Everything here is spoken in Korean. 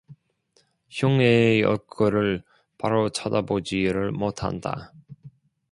형의 얼굴을 바로 쳐다보지를 못한다.